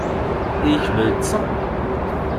Ich will zocken!